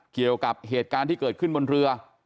เกี่ยวกับเหตุการณ์ที่เกิดขึ้นบนเรือ